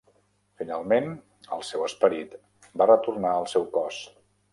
Finalment, el seu esperit va retornar al seu cos.